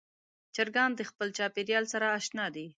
چرګان د خپل چاپېریال سره اشنا دي.